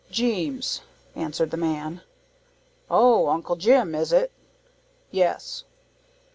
"Geemes," answered the man. "Oh, Uncle Jim, is it?" "Yes."